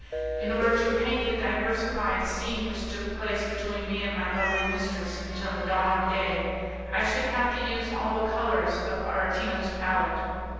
In order to paint the diversified scene which took place between me and my lovely mistress until the dawn of day, I should have to use all the colours of Aretino's palette.